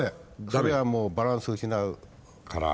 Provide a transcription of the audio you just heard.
それはもうバランスを失うから。